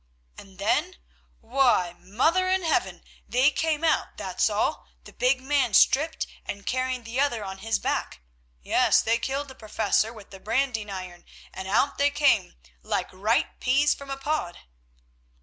"And then? Why, Mother in Heaven! they came out, that's all—the big man stripped and carrying the other on his back. Yes, they killed the Professor with the branding iron, and out they came—like ripe peas from a pod."